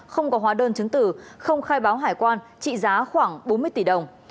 không có hóa đơn chứng tử không khai báo hải quan trị giá khoảng bốn mươi tỷ đồng